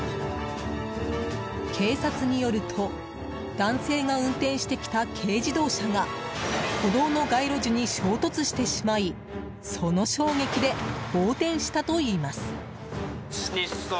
警察によると男性が運転してきた軽自動車が歩道の街路樹に衝突してしまいその衝撃で横転したといいます。